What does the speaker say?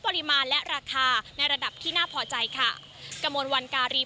ปริมาณและราคาในระดับที่น่าพอใจค่ะกระมวลวันการี